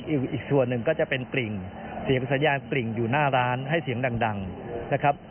อีกส่วนหนึ่งก็จะเป็นกริ่งเสียงสัญญาณกริ่งอยู่หน้าร้านให้เสียงดังนะครับ